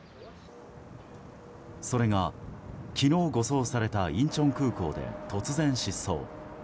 それが昨日、護送されたインチョン空港で突然、失踪。